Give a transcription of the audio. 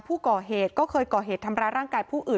ผู้ก่อเหตุก็เคยก่อเหตุทำร้ายร่างกายผู้อื่น